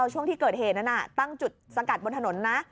ช่วงที่เกิดเหตุนั้นตั้งจุดสกัดบนถนนนะ